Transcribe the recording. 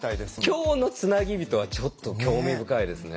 今日の「つなぎびと」はちょっと興味深いですね。